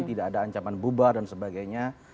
tidak ada ancaman bubar dan sebagainya